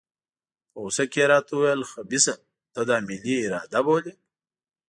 په غوسه کې یې راته وویل خبیثه ته دا ملي اراده بولې.